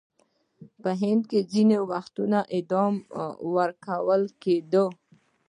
په هند کې ځینې وخت اعدام نه ورکول کېده.